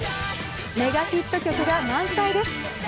メガヒット曲が満載です。